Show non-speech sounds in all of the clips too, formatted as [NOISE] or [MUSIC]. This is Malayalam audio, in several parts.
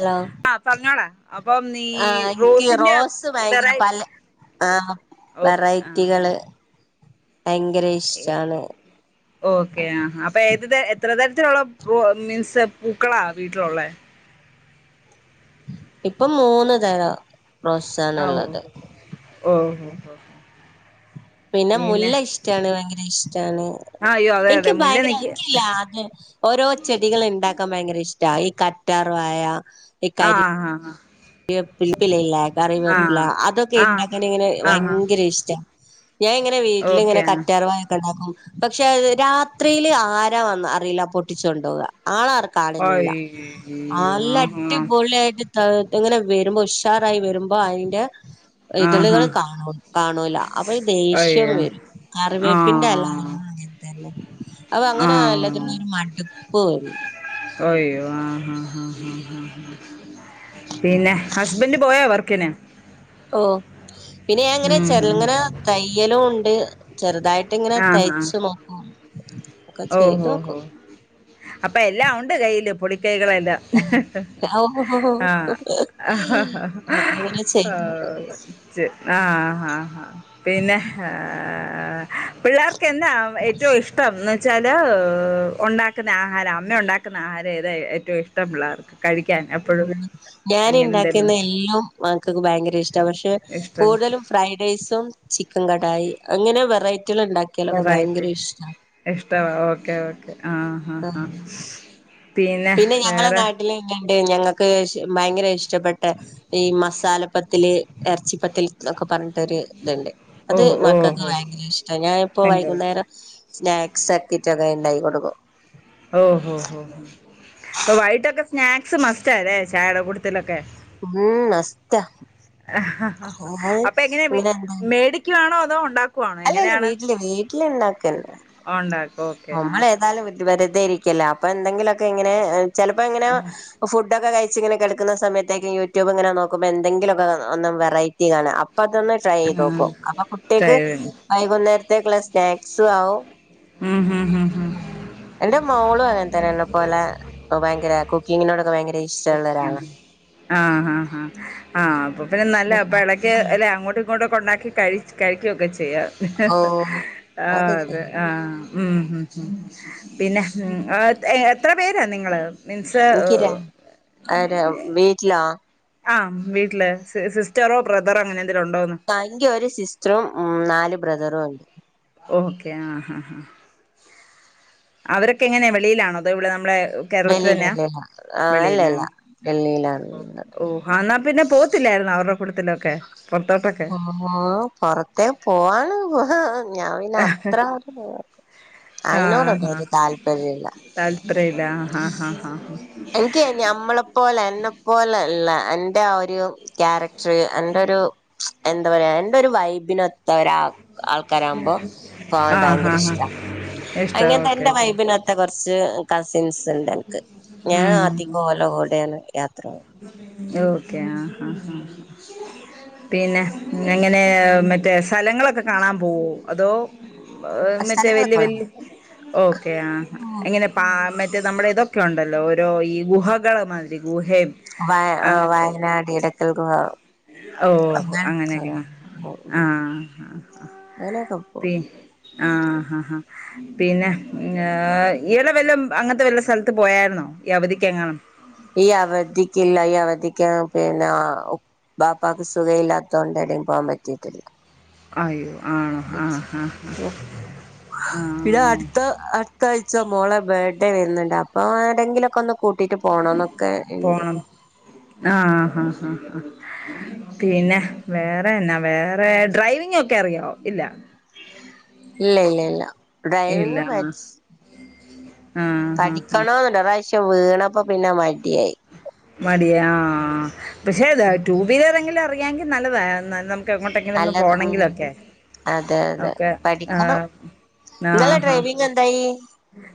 ഹലോ ആ പറഞ്ഞോടാ അപ്പം നീ ആഹ് എനിക്ക് റോസിന്റെറെ റോസ് ഭയങ്കര പല വെറൈറ്റിഷ ആഹ് ഓക്കെ ആ വെറൈറ്റികള് ഭയങ്കര ഇഷ്ടാണ് ഓക്കെ ആ അപ്പൊ ഏത് എത്ര തരത്തിലുള്ള മീൻസ് പൂക്കളാ വീട്ടിലുള്ളേ ഇപ്പൊ മൂന്ന് തരം ആഓഓ റോസാണ്ള്ളത് ഓഹഓ പിന്നെ മുല്ല ഇഷ്ടാണ് ഭയങ്കര തൈസ് ട്ടാണ് ആഹ് അയ്യോ അതെ അതെ എനിക്ക് മുല്ല ഭയങ്കര നിക്ക് എനിക്ക് നല്ല ഓരോ ചെടികൾ ഉണ്ടാക്ക... ക്കൻ ഭയങ്കര ഇഷ്ട ഈ കറ്റാർ വായ ആഹ ആഹ് ആ റിപ്പിലേ കറിവേപ്പില ആഹ് അതൊക്കെ ആഹ് ഉണ്ടാക്കൻ ഇങ്ങനെ ആഹാ ഭയങ്കര ഇഷ്ട ഞാൻ ഓക്കെ ഇങ്ങനെീിവീട്ടിലിങ്ങനെ ആ കറ്റാർ വായ ഒക്കെ ഉണ്ടാക്കും പക്ഷെ രാത്രിയില് ആരാ വന്ന് അറിയില്ല പൊട്ടിച്ചുൊണ്ടുപോുക ആളാർ കാടുന്നില്ല അയ്യോ ആല്ലാം ആഹാ അടിപൊളിയായിട്ട് തളു.... എങ്ങനെ വരുമ്പോ ഉഷാറായി വരുമ്പോ അയിൻറെ ഇതളുകൾ ആഹാ കാണ കാണൂല അപ്പൊ ഈ ദേഷ്യം അയ്യോ വരും കറിവേപ്പിന്റെ അലണം ആഹ് അങ്ങനെ തന്നെ അപ്പൊ അങ്ങനെ ആഹ് എല്ലാത്തിും ഒരു മട്പ്പ് പോ അയ്യോ ആ ഹാ ഹാ ഹാ പിന്നെ ഹസ്ബന്റ് പോയോ വർക്കിന് ഓഹ് പിന്നെ ഞാന്ങ്ങനെ ഉം ഉം. ചെർങ്ങനെ തയ്യലുണ്ട് ചെറുതായ്ട്ട്ങ്ങനെ തയ്ച്ച് നോക്കും [INAUDIBLE] ചെയ്തു നോക്കും ഓഹോഹോ അപ്പൊ എല്ലാഒണ്ട് കയ്യില് പൊളി കൈകളല്ല ഹ് ഹ് ആ ആ അങ്ങനെ ചെയ്തു നോക്കും. ആഹ് ആഹഹ പിന്നെ ആ ആ പിള്ളേർ ക്കെന്താ ഏറ്റവും ഇഷ്ടം ചെല ഒണ്ടാക്കുന്ന ആഹാരം അമ്മ ഒണ്ടാക്കുന്ന ആഹാരം ഏതാ ഏറ്റവും ഇഷ്ടം പിള്ളേർക്ക് കഴിക്കാൻ എപ്പോഴും ഞാൻ അങ്ങനെ ണ്ടാക്കുന്ന എന്തെങ്കിലും എല്ലും മക്കക്ക് ഭയങ്കര ഇഷ്ട പക്ഷെ ഇഷ്ടം കൂടുതലും ഫ്രൈഡ് റൈസും ചിക്കൻ ങ്ങാട്ടായി അങ്ങനെ വെറൈ വേറായിട്ട് ഇഷ്ടവാ ഓക്കേ ഓക്കേ ആഹാ ഹാ ആഹ് പിന്നെ ഞങ്ങളെ നാട്ടില് ട് ഞങ്ങൾക്ക് ഭയങ്കര ഇഷ്ടപ്പെട്ട ഈ മസാലപ്പത്തില് ഇറച്ചിപ്പത്തിൽ ഒക്കെ പറഞ്ഞിട്ടൊരു ഇത്ണ്ട് ഓ അത് ഓ മക്കൾക്ക് ഓ ഭയങ്കര ഇഷ്ട ഞാനിപ്പോ ഭയങ്കര ഇഷ്ട വൈകുന്നേരം സ്നാക്സ് ആക്കിട്ട് അത് ഇണ്ടാക്കി കൊടുക്കും ഓ ഹൊ ഹൊ അപ്പ വൈയിട്ടക്ക സ്നാക്സ് മസ്റ്റ് അല്ലെ ചയട കൂട്ടത്തിലൊക്കെ ഉം മസ്റ്റ ഇങ്ങനെ എ തും ഉണ്ട അല്ല അല്ലേ വീട്ടില് വീട്ടില് ഇണ്ടാക്കഞ്ഞെ ഉണ്ടാക്കും ഓക്കെ ആ നമ്മള് ഏതായാലും വെറ്തെരി ക്കല്ലേ അപ്പൊ എന്തെങ്കിലൊക്കെ ഇങ്ങനെ ചിലപ്പോ ഇങ്ങനെ ഫുഡക്കെ കഴി ച്ച്ങ്ങനെ കിടക്കുന്ന സമയത്തേക്കും യൂ ടൂബിങ്ങനെ നോക്കുമ്പ എന്തേങ്കിലൊക്കെ ഒന്ന് വെറൈറ്റി കാണ അപ്പൊ അതൊന്ന് ട്രൈ ചെയ്ത് ആ നോക്കും അപ്പൊ കുട്ടിയക്ക് ഡ്രൈവിംഗ് വൈകുന്നേരത്തേക്കുള്ള സ്നാക്സു ആവും. ഉം ഉം ഉം എന്റെ മോളും അങ്ങനെ തന്നെയ പോലെ ഭയങ്കര കുക്കിങ്ങിനോടൊക്കെ ഭയങ്കര ഇഷ്ടമുള്ള ഒരാളാണ് ആഹ് ആഹ് ആഹ് അപ്പൊ പിന്നെ നല്ല അപ്പൊ ഇടയ്ക്ക് അല്ലേ അങ്ങോട്ട് ഇങ്ങോട്ടൊക്കെ ഉണ്ടാക്കി ക കഴുകൊക്കെ ചെയ്യാം ഓ അ അതൊക്കെ അതെ ചെയ്യും ആ ഹ് പിന്നെ എത്ര പേരാ നിങ്ങള് മീൻസ് ആ വീട്ടിലാ ആഹ് ആഹ് വീട്ടില് സിസ്റ്ററോ ബ്രദറോ അങ്ങനെ എന്തെലും ഉണ്ടോന്ന് ഒരു സിസ്റ്ററും ഉം നാല് ബ്രദറും ഉണ്ട് ഓക്കെ ആ ഹാ ഹാ അവരൊക്കെ എങ്ങനെയാണ് വെളിയിലാണോ അതോ ഇവിടെ നമ്മളുടെ കേരളത്തി വെളിയിൽ തന്നെയാ വെളിയില ആ അല്ല വെളിയിലാ അല്ല വെളിയിലാണ് ഉള്ളത് ഓ എന്നാ പിന്നെ പോത്തില്ലായിുന്നോ അവരുടെ കൂട്ടത്തിനൊക്കെ ഓ പൊറത്തേ പോവാാണ് ആഹ് അയിനോടൊന്നും ഒരു താല്പര്യമില്ല താല്പ്പര്യല്ല എനിക്ക് നമ്മളെ പോലെ എന്നെ പോല അല്ല എന്റെ ആ ഒരു ക്യാരക്ടർ എന്റെ ഒരു എന്താ പറയാ എന്റെ ഒരു വൈബിനൊത്ത ഒരാ ആൾക്കാരാകുമ്പോ പോവാൻ ആഹ് ഹാ ഭയങ്കര ഹാ ഇഷ്ടാ ഇഷ്ട അങ്ങനെ ഓക്കെ തന്റെ ഓക്കെ വൈബിനത്തെ കൊറച്ച് സൻസ് ഉണ്ട്നിക്ക് ഞാൻ ഉം അധികം ഓലെ കൂടെ ടേണ് യാത്ര പത്ര ഓക്കെ ആ ആ ഹ പിന്നെ അങ്ങനെ മറ്റേ സ്ഥലങ്ങളൊക്കെ കാണാൻ പോവോ അതോ മറ്റേ വലിയ സ്ഥലങ്ങളൊക്കെ വല് ഓക്കെ ആ ഉള്ളത് എങ്ങനെ പ മറ്റേ നമ്മളതൊക്കെ ഒക്കെ ഉണ്ടല്ലോ ഓരോ ഈ ഗുഹകളെ മാതിരി ഗുഹയും വ അങ്ങനത്തെ വയനാട് എൽക്കൽ ഗുഹ ഓ അങ്ങനത്തെ അങ്ങനെയൊക്കെ ആഹ് അങ്ങനൊക്കെ പോവും പി ആഹ ആ ആാ പിന്നെ ഇഈടെ വല്ല അങ്ങനത്തെ വല്ല സ്ഥലത്ത് പോയായിന്നോ ഈ അവധിക്ക എങ്ങാനും ഈ അവധിക്കില്ല ഈ അവധിക്ക പിന്നെ ബാപ്പാക്ക് സുഖയില്ലാത്ത കൊണ്ട ഇട പോകാൻ പറ്റിയിട്ടില്ല. അയോ.. [UNINTELLIGIBLE] പിടെെ ആഹ് അടുത്ത മത്തഴച്ച മോളെ ബേർത്ത്ഡേ വരുന്നുണ്ട് അപ്പോഏ ടെങ്കിലൊക്കെ ഒ കൂട്ടിട്ട് പോണംന്നൊക്കെ ഇണ്ട്. ആ ഹാ പിന്നെ വേറെ അന്നാ വേറെ ഡ്രൈവിങ് ഒക്കെ അറിയോ? ഇല്ല ഇല്ല ഇല്ല ഇല്ല ഇല്ല ഡ്രൈവിംഗ് [UNINTELLIGIBLE] ആഹ് ഹാ ഹാ ക്ക് വീണപ്പ പിന്നെ മടിയായി മടിയാ ആഹ് പഷേ അത ടു വീലറെങ്കിലും അറിയാങ്കി നല്ലതാ നമ്മു ക്കെങ്ങോട്ടെങ്കിലും ഒന്നും അല്ലത് ഉം പോണങ്കിലൊക്കെ അതെ അതെ ഓക്കെ പഠിക്കണം ആ ഇങ്ങളെ ആ ഡ്രൈവിങ് എന്തായി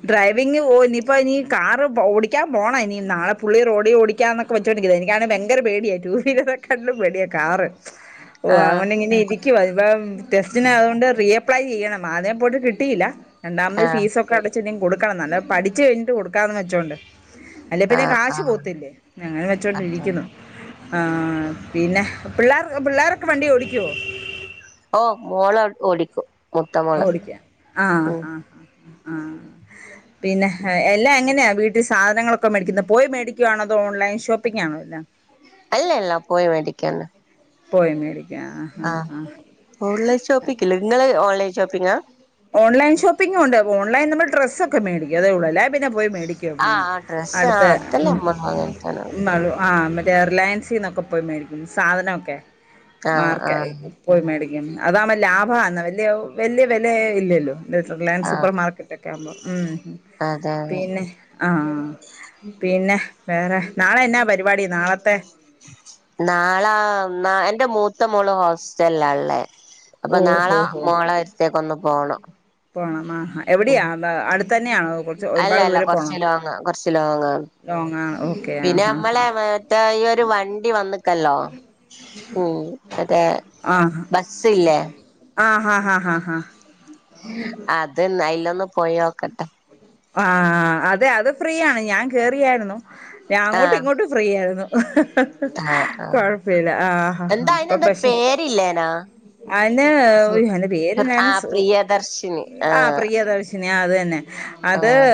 ഡ്രൈവിംഗ് ഓ ഇനിപ്പോ ഇനി കാറ് ഓടിക്കാൻ പോണം ഇനി നാളെ പുള്ളി റോഡ് ഡി ഓടിക്കാന്നൊക്കെ വെച്ചോണ്ടിക്കാണ് എനിക്കാണെങ്കി ബ്ങ്കര പേടിയാ റ്റു വീലറെക്കാട്ടിലും പേടിയാ കാറ് ഓ ആഹ് അങ്ങനെ ഇങ്ങനെ ഇരി ക്കുവാ ഇപ്പം ടെസ്റ്റിന് അതുകൊണ്ട് റി അപ്ലൈ ചെയ്യണം ആദ്യം പോയിട്ട് കിട്ടില രണ്ടാമത് ആഹ് ഫീസൊക്കെ അടച്ച് ഇതി കൊടു ക്കണം നല്ല പഠിച്ചു കഴിഞ്ഞിട്ട് കൊടുക്കാന്ന് വെച്ചോണ്ട് അല്ല പിന്നെ ആഹ് കാശ് ആഹ് പോത്ത് ത്തില്ലേ അങ്ങനെ അതെ വെച്ചോണ്ടിരിക്കുന്നു ആഹ് പിന്നെ പിള്ളേർ പിള്ളേരോക്കെ വണ്ടി ഓടിക്കുവോ ഓ മോള് ഓടിക്കും മൂത്ത മോള് ഓടിക്ക ആഹ് ഉം ആഹ് ആ പിന്നെ എല്ലാം എങ്ങനെയാ വീട്ടി സാധനങ്ങളൊക്കെ മേടിക്കുന്നത് പോയി മേടിക്കുവാണോ അതോ ഓൺലൈൻ ഷോപ്പിംഗാണോ എല്ലാം അല്ല അല്ല പോയി മേടിക്കാണ് പോയി മേ ആഹ് ഓൺലൈൻ ഷോപ്പിക്കില്ല നിങ്ങള് ഓൺലൈൻ ഷോപ്പിങ്ങ ഓൺലൈൻ ഷപ്പിംഗും ഉണ്ട് ഓൺലൈൻ നമ്മൾ ഡ്രസൊക്കെ മേടിക്കും അതേ ഉള്ളേ പിന്നെ പോയി മേടിക്കും ആ ഇവിടുന്ന് ആ ഡ്രസ്സ് ആ അടുത്ത് അതല്ലേ അമ്മങ്ങട്ടാന ആ മറ്റേ റിലയൻസിൽ നിന്നൊക്കെ പോയി മേടരിക്കും സാധനമൊക്കെ ആഹ് മാർക്ക ആഹ് പോയി മേടിക്ക അതാ ലാഭ [UNINTELLIGIBLE] ഇല്ലെ ഇല്ലല്ലോ റിലയൻ ആഹ് സൂപ്പർ മാർക്കറ്റ ഒക്കെ ആകുമ്പോൾ അതെ അതെ പിന്നെ ആ പിന്നെ വേറെ നാളെന്നാ പരിപാടി നാളത്തെ നാളാ എന്റെ മൂത്ത മോളോ ഹോസ് ല്ലല്ലേ അപ്പൊ ഓ ഹോ നാളെ ഹോ മോളോ വരുത്തേക്ക ഒന്ന് പോകണം പോണം ആ എവിടെയ അടുത് തന്നെയാണോ കുറച്ച് അല്ല ഒരുപാട് അല്ല ദൂരെ കൊറച്ച് പോകണോ ലോങാ കൊറച്ച് ലോങാ ലോങ്ങാണ് ഓക്കെ പിന്നെ ആഹ് അമ്മളെ മറ്റേ ഈ ഒരു വണ്ടി വന്ന് കല്ലോ ഉം അതേ ആഹ് ബസില്ലേ ആഹ് ഹാ ഹാ ഹാ ഹാ. അതന്നെ അയിലോം ന്ന് പോയോക്കട്ടെ. ആഹ് അ അതെ അത് ഫ്രീയാണ് ഞാൻ കേറിയായിരുന്നു. ഞാ അങ്ങോട്ടും ആഹ് ഇങ്ങോട്ടും ഫ്രീ ആയിരുന്നു. ആഹ് [UNINTELLIGIBLE] ആഹ് കൊഴപ്പില്ല ആഹ് ഹഹ എന്താ ഇപ്പ അയിനെന്തൊരു പക്ഷെ പേരില്ലേനാ അന്റെ സു എന്റെ പേര് ഞാൻ ആ സു പ്രിയദർശിനി ആഹ് പ്രിയദർശിനി ആഹ് അത് തന്നെ. അത് ആഹ്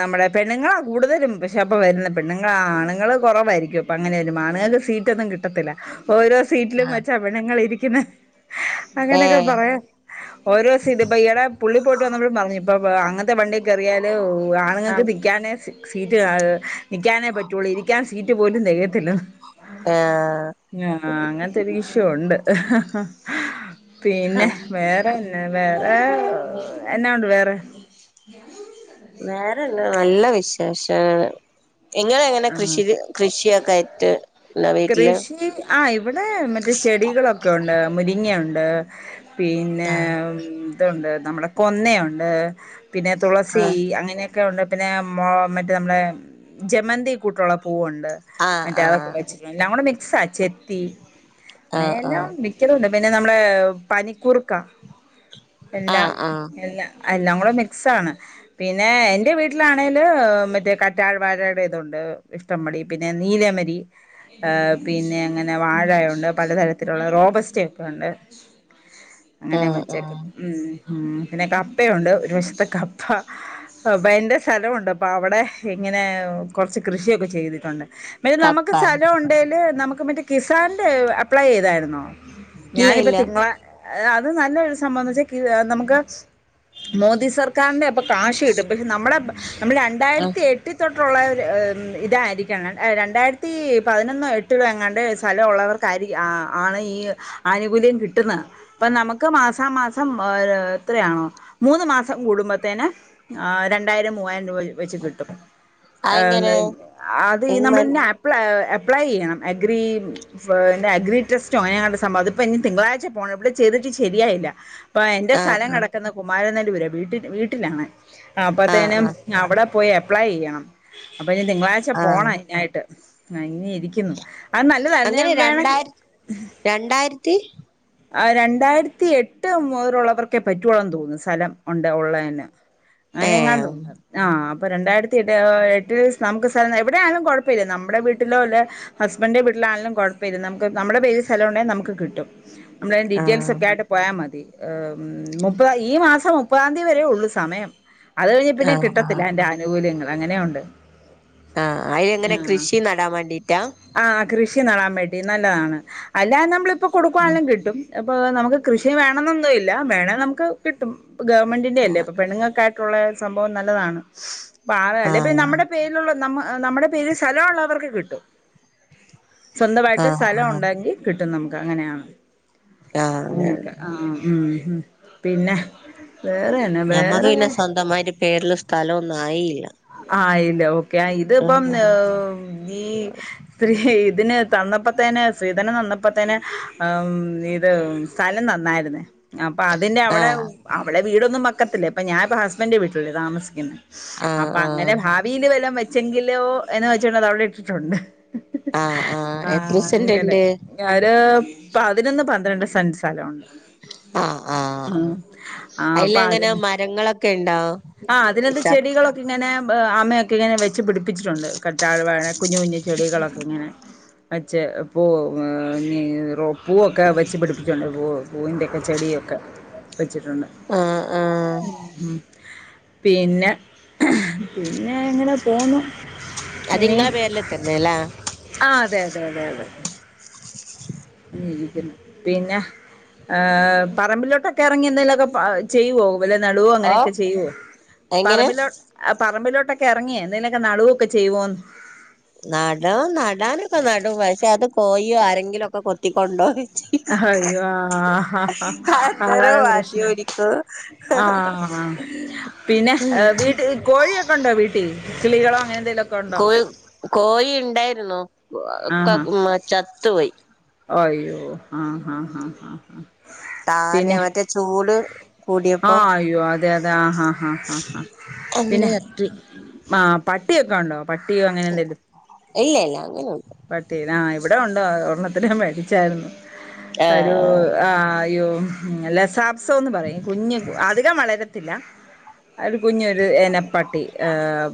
നമ്മുടെ പെണ്ണുങ്ങളാ കൂടുതലും പക്ഷെ അപ്പ വരുന്ന പെണ്ണുങ്ങളാ ആണുങ്ങള് കൊറവായിരിക്കും അപ്പ അങ്ങനെലും ആണുങ്ങൾക്ക് സീറ്റൊന്നും കിട്ടത്തില്ല. ഓരോ സീറ്റിലും ആഹ് വെച്ച പെണ്ണുങ്ങൾ ഇരി പിന്നെ അങ്ങനെയൊക്കെ ഏഹ് പറയാ ഓരോ സീറ്റ് ഇപ്പ ഇഈടെ പുള്ളി പോയിട്ട് വന്നപ്പഴും പറഞ്ഞു. പ്പബ്വ അ അങ്ങനത്തെ വണ്ടി ക്കറിയാലോ ആണുങ്ങക്ക് ആഹ് നിക്കാനെ സീ സീറ്റ് നിക്കാനേ പറ്റുള്ളൂ ഇരിക്കാൻ സീറ്റ് പോലും തികയത്തില്ല. ആഏഹ്. പച്ചുണ്ട് പിന്നെ വേറെ പിന്നെ വേറെ എന്നാ ഉണ്ട് വേറെ ഉം. ശേഷ ആഹ് ആയിട്ട് ഇണ്ടോ വീട്ടില് കൃഷി ആ ഇവിടെ മറ്റേ ചെടികളൊക്കെ ഒണ്ട് മുരിങ്ങ ണ്ട് പിന്നെ ആഹ് മ് ഇതുണ്ട് നമ്മള കൊന്നയൊണ്ട് പിന്നെ തുളസി ആഹ് അങ്ങനെ ക്കെഒണ്ട് പിന്നെ മൊ മറ്റെ നമ്മുടെ ജമന്തി കൂട്ടൊള്ള പൂവൊ ണ്ട് ആഹ് മറ്റേ അതൊക്കെ വെച്ചി എല്ലാംകുടെ മി സച്ചെത്തി ആഹ് അയ്നെല്ലാം ആഹ് മിക്കലുംണ്ട് പിന്നെ നമ്മളെ പനിക്കുറുക്ക എല്ലാം ആഹ് ആഹ് ആഹ് എല്ല എല്ലാം കൂടെ മിക്സാണ്. പിന്നെ എന്റെ വീട്ടിലാണെങ്കില് മറ്റേ കറ്റാർവാഴെടെ ഇതുണ്ട്. ഇഷ്ടംപടി പിന്നെ നീലമരി പിന്നെ അങ്ങനെ വാഴയുണ്ട് പലതരത്തിലുള്ള റോബസ്റ്റൊക്കെ ഉണ്ട് അങ്ങനെ ആഹ് വച്ചക്കെ ആഹ് ഉം ഉം. പിന്നെ കപ്പയുണ്ട് ഒരു വശത് കപ്പ പപ്പേൻ്റെ സ്ഥലമുണ്ട് അപ്പോൾ അവിടെ ഇങ്ങനെ കുറച്ച് കൃഷിയൊക്കെ ചെയ്തിട്ടുണ്ട്. മറ്റേ നമുക്ക് കപ്പ സ്ഥലം ഉണ്ടേൽ നമുക്ക് മറ്റേ കിസാന്റെ അപ്ലൈ ചെയ്തായിരുന്നോ? ഇല്ല ഞാനിപ്പോ ഇല്ല തിങ്കളാ അത് നല്ല ഒരു സംഭവംന്ന് വച്ചാൽ നമുക്ക് മോദി സർക്കാരിന്റെ പൊ കാശ് കിട്ടും പക്ഷെ നമ്മുടെ നമ്മൾ ആഹ് രണ്ടായിരത്തി എട്ട് തൊ ട്ടുള്ള ഇതായിരിക്കണം രണ്ടായിരത്തി പതിനൊന്നോ എട്ടിലോ എങ്ങാണ്ട് സ്ഥലമുള്ളവർക്കായിരി ആണ് ഈ ആനുകൂല്യം കിട്ടുന്നത്. അപ്പൊ നമുക്ക് മാസാ മാസം ഏ എത്രയാണോ മൂന്ന് മാസം കൂടുമ്പത്തേന് ആർ രണ്ടായിരം മൂവായിരം രൂപ വെച്ച് കിട്ടും അതെങ്ങനെ അത് ഇമ്മൻ നമ്മൾന്നെ അപ്ലൈ അപ്ലൈ ചെയ്യണം അഗ്രി അഗ്രി ടെസ്റ്റോ അങ്ങനെങ്ങാണ്ട് സംഭവം അതിപ്പോ ഇനി തിങ്കളാഴ്ച പോണം ഇവിടെ ചെയ്തിട്ട് ശരിയായില്ല. ഇപ്പ എന്റെ സ്ഥലം ആഹ് കിടക്കുന്നെ കു മാരനല്ലൂരാ വീട്ടിൽ വീട്ടിലാണ്. ആഹ് അപ്പത്തേനും ആഹ് അവിടെ പോയി അപ്ലൈ ചെയ്യണം. അപ്പ ഇനി തിങ്കളാഴ്ച ആഹ് പോണം അതിനായിട്ട് [UNINTELLIGIBLE] ഇങ്ങനെ ഇരിക്കുന്നു അത് നല്ലതായിരുന്നു അങ്ങനെ ഞാൻ വേണെങ്കി രണ്ടായിര രണ്ടായിരത്തി ആ രണ്ടായിരത്തി എട്ട് മുതലുള്ളവർക്കെ പറ്റുവൊള്ളെന്ന് തോന്നുന്നു സ്ഥലം ഒണ്ട്. ഒള്ളേന് ഏ അങ്ങനെ എങ്ങാണ്ടൊണ്ട് ആ പ്പൊ രണ്ടായിരത്തിഎട്ട് ആ എ ട്ടില് നമുക്ക് സ്ഥലം എവിടെ ആണേലും കുഴപ്പമില്ല. നമ്മുടെ വീട്ടിലോ അല്ലെ ഹസ്ബൻഡിന്റെ വീട്ടിലാണേലും കുഴപ്പമില്ല നമുക്ക് നമ്മുടെ പേരിൽ സ്ഥലം ഒണ്ടേ നമുക്ക് കിട്ടും. നമ്മളതിന്റെ ഡീറ്റെയിൽസ് ആഹ് ഒക്കെ ആയിട്ട് പോയാ മതി. ഏഹ് മുപ്പതാ ഈ മാസം മുപ്പതാം തീയതി വരേ ഉള്ളു സമയം. അത് കഴിഞ്ഞ പിന്നെ ആഹ് ആഹ് കിട്ടത്തില്ല അതിന്റെ ആനുകൂല്യങ്ങള്. അങ്ങനേം ഒണ്ട്. ആ അയെങ്ങനെ കൃഷി നടാൻ വേണ്ടിട്ടാ? ആഹ് കൃഷി നടാൻ വേണ്ടി നല്ലതാണ് അല്ലാതെ നമ്മള് ഇപ്പ കൊടുക്കു വാണേലും കിട്ടും അപ്പൊ നമുക്ക് കൃഷി വേണന്നൊന്നുല്ല വേണേ നമുക്ക് കിട്ടും ഗവൺമെന്റിന്റെ അല്ലേ അപ്പോ പെണ്ണുങ്ങൾക്കായ് ട്ടുള്ള സംഭവം നല്ലതാണ് പാറയല്ലേ പിന്നെ ആഹ് നമ്മടെ ന നമ്മ നമ്മടെ പേരിൽ സ്ഥലള്ളവർക്ക് കിട്ടും സ്വന്തമായിട്ട് ആഹ് സ്ഥലം ആഹ് ഉണ്ടെങ്കി കിട്ടും ട്ടും നമ്മക്ക് അങ്ങനെയാന്ന് ആഹ് അങ്ങനെ അങ്ങനുണ്ട് ആ ഉം ഉം പിന്നെ വേറെ എന്നാ ഞമ്മക്ക് പിന്നെ വേറെ സ്വന്തമായിട്ട് പേരില് സ്ഥലം ഒന് ന്നായി ആയിൽ ല്ലോ ക്കയാ ഇതിപ്പം ഏഹ് ഈ സ്ത്രീ ഇതിനെ തന്നപ്പോത്തേനെ സ്ത്രീധനം തന്നപ്പോത്തേനെ ആ ഇത് സ്ഥലം തന്നായിരുന്നേ അപ്പൊ അതിന്റെ അവടെ ആഹ് അവിടെ വീടൊന്നും വെ ക്കത്തില്ലേപ്പ ഞാനിപ്പോ ഹസ്ബൻഡ് വീട്ടിലല്ലേ താമസിക്കുന്നെ ആഹ് അപ്പൊ അങ്ങനെ ഭാവില് വല്ലോം വെച്ചെങ്കിലോ എന്ന് വെച്ചോണ്ട് അത് അവിടെ ഇട്ടിട്ടുണ്ട്. ആഹ് എത്ര ആഹ് അങ്ങനെ സെന്റ്ണ്ട് പതിനൊന്ന് പന്ത്രണ്ട് സെന്റ് സ്ഥലം ഉണ്ട്. ആഹ് ആ ആഹ് അപ്പൊ അയിലെങ്ങനാ അതിന് മരങ്ങളൊക്കെ ഇണ്ടോ ആഹ് അതിനകത്ത് ചക് ചെടികളൊക്കെ [UNINTELLIGIBLE] അമ്മയൊക്കെ ഇങ്ങനെ വെച്ചു പിടിപ്പി പ്പിച്ചിട്ടുണ്ട് കറ്റാർ വാഴ കുഞ്ഞു കുഞ്ഞു ചെടികളൊക്കെ ഇങ്ങനെ പച്ചേ പൂ നി റൊ പൂവൊക്കെ വെച്ച്പിടിപ്പിച്ചിണ്ട് പൂ പൂവിന്റൊക്കെ ചെടിയൊക്കെ വെച്ചിട്ടുണ്ട് ആഹ് ആഹ് ഉം പിന്നെ പിന്നെ അങ്ങനെ പോന്നു ഇനി അത്ങ്ങളെ പേരില് തന്നെലേ ആഹ് അതെ അതെ [UNINTELLIGIBLE] പിന്നെ ഏഹ് പറമ്പിലോട്ടൊക്കെ ഇറങ്ങി എന്തേലൊക്കെ പ ചെയ്യോ വെല്ലോം ഓഹ് നടുവോങ്ങനൊക്കെ ചെയ്യുവോ എങ്ങനെ പറമ്പിലോ ആ പറമ്പിലോട്ടൊക്കെ ഇറങ്ങിയെ എന്തേലൊക്കെ നടുവോക്കെ ചെയ്യോന്ന് പ നടാൻ നടാനൊക്കെ നടും പക്ഷെ അത് കോയോ ആരെങ്കിലൊക്കെ കൊത്തിക്കൊണ്ടോയ് അയ്യോ ആ ഹ ഹ അന്നേരം അതാണ് വടി പ്രശ്നം ഓടിക്കും ആ പിന്നെ ഉം വീട്ടിൽ കോഴിയൊക്കെ ഉണ്ടോ വീട്ടിൽ കിളികളോ അങ്ങനെ എന്തെലക്കൊഒണ്ടോ? കോഴി കോഴി ഇണ്ടായിരുന്നു [UNINTELLIGIBLE] ആഹാ ക്കെ ചത്തു പോയി അയ്യോ ആ ഹാ ഹാ ഹാ താനെ പിന്നെ മറ്റേ ചൂട് കൂടിയപ്പോ അതെയതെ ആഹാ ഹ ഹാ ഹാ അങ്ങനെ പിന്നെ ചത്തുപോയി ആ പട്ടിയൊക്കെ ഉണ്ടോ പട്ടിയോ അങ്ങനെ എന്തേലും ഇല്ല ഇല്ല അങ്ങനെയൊന്നും പട്ടി ആ ഇവിടെ ഉണ്ട് ഒരൊ തിനെ മേടിച്ചായിരുന്നു തരൂ ആ ആ അയ്യോ ഉം ല്ലെസാപ്പ് അസംന്ന് പറയും കുഞ്ഞ് അധികം വളരത്തില്ല ഒരു കുഞ്ഞുര് ഇനം പട്ടി ഏ